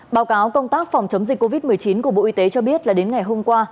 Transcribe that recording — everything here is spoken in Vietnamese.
báo cáo công tác phòng chống dịch covid một mươi chín của bộ y tế cho biết là đến ngày hôm qua